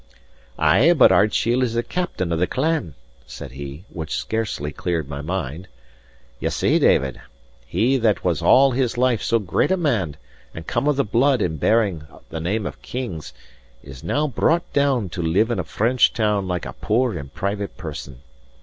"Ay, but Ardshiel is the captain of the clan," said he, which scarcely cleared my mind. "Ye see, David, he that was all his life so great a man, and come of the blood and bearing the name of kings, is now brought down to live in a French town like a poor and private person.